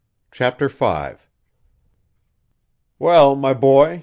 CHAPTER V "Well, my boy!